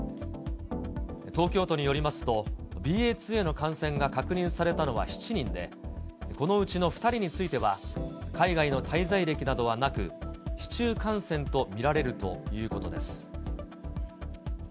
東京都によりますと、ＢＡ．２への感染が確認されたのは７人で、このうちの２人については、海外の滞在歴などはなく、市中感染と見られるということです。